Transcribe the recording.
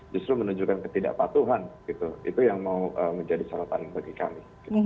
justru menunjukkan ketidakpatuhan itu yang mau menjadi sorotan bagi kami